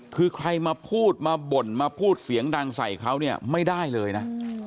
คือใครมาพูดมาบ่นมาพูดเสียงดังใส่เขาเนี่ยไม่ได้เลยนะ